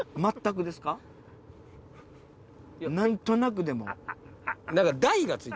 何となくでも。